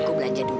aku belanja dulu